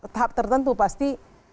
tahap tertentu pasti